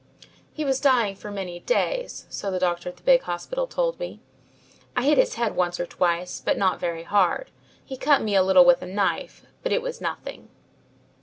"He was dying for many days, so the doctor at the big hospital told me. I hit his head once or twice, but not very hard. He cut me a little with a knife, but it was nothing."